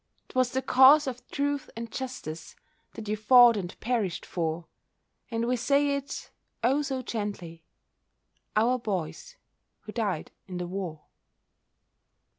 'Twas the cause of Truth and Justice That you fought and perished for, And we say it, oh, so gently, "Our boys who died in the war."